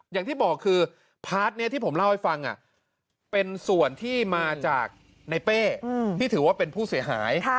อย่างที่บอกคือพาร์ทนี้ที่ผมเล่าให้ฟังเป็นส่วนที่มาจากในเป้ที่ถือว่าเป็นผู้เสียหาย